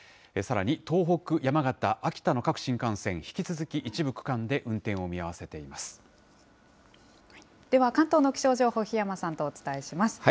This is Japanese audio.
さらに東北、山形、秋田の各新幹線、引き続き、一部区間で運転を見合わせていまでは、関東の気象情報、檜山さんとお伝えします。